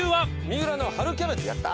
三浦の春キャベツ！